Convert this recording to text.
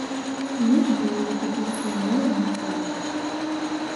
Лічбы ў ліку пішуцца злева направа.